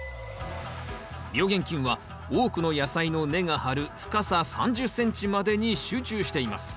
病原菌は多くの野菜の根が張る深さ３０ｃｍまでに集中しています。